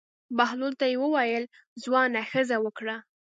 بهلول ته یې وویل: ځوانه ښځه وکړه.